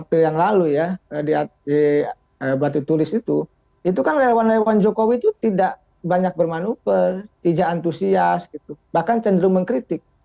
waktu yang lalu ya di batu tulis itu itu kan relawan relawan jokowi itu tidak banyak bermanuver tidak antusias gitu bahkan cenderung mengkritik